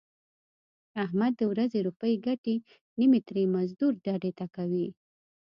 احمد د ورځې روپۍ ګټي نیمې ترې مزدور ډډې ته کوي.